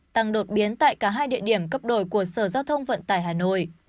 tăng đột biến tại cả hai địa điểm cấp đổi của sở giao thông vận tải hà nội